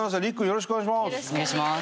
よろしくお願いします。